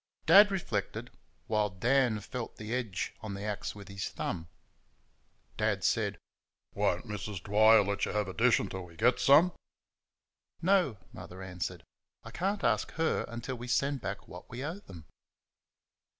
Dad reflected, while Dan felt the edge on the axe with his thumb. Dad said, "Won't Missus Dwyer let you have a dishful until we get some?" "No," Mother answered; "I can't ask her until we send back what we owe them."